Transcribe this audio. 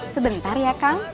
sebentar ya kang